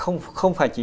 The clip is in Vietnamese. nó không phải chỉ